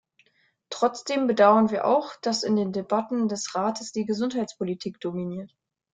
Trotzdem bedauern wir auch, dass in den Debatten des Rates die Gesundheitspolitik dominiert.